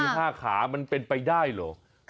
นี่๕ขามันเป็นไปได้หรือ